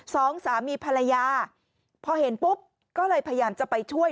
สองสามีภรรยาพอเห็นปุ๊บก็เลยพยายามจะไปช่วย